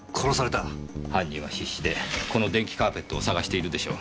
犯人はこの電気カーペットを必死で捜しているでしょう。